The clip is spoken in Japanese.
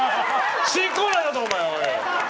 新コーナーだぞ、お前！